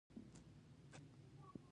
د مغزونو تیښته اقتصاد خرابوي؟